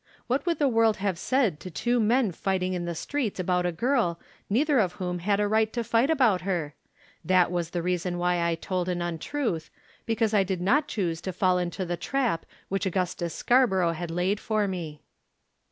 What would the world have said to two men fighting in the streets about a girl, neither of whom had a right to fight about her? That was the reason why I told an untruth, because I did not choose to fall into the trap which Augustus Scarborough had laid for me.